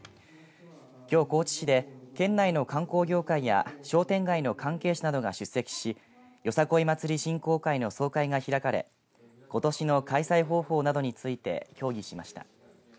きょう高知市で県内の観光業界や商店街の関係者などが出席しよさこい祭振興会の総会が開かれことしの開催方法などについて協議しました。